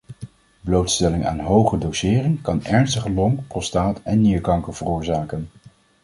Blootstelling aan hoge doseringen kan ernstige long-, prostaat- en nierkanker veroorzaken.